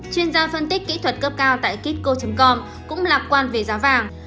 chuyên gia phân tích kỹ thuật cấp cao tại kitco com cũng lạc quan về giá vàng